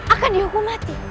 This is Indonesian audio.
akan dihukum mati